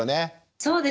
そうですね。